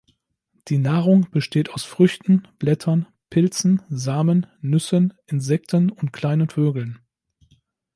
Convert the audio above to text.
Die Nahrung besteht aus Früchten, Blättern, Pilzen, Samen, Nüssen, Insekten und kleinen Vögeln.